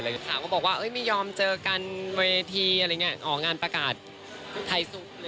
ข่าวก็บอกว่าไม่ยอมเจอกันเวทีอะไรอย่างนี้อ๋องานประกาศไทยซุก